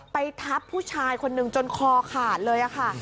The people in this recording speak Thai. ไปทับผู้ชายคนหนึ่งจนคอขาดเลยค่ะ